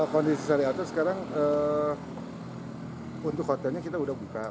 kondisi saria ter sekarang untuk hotelnya kita sudah buka